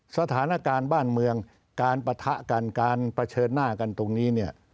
สถานการณ์บ้านเมืองการปะทะกันการเผชิญหน้ากันตรงนี้เนี่ย